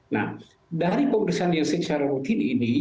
nah dari pemeriksaan yang secara rutin ini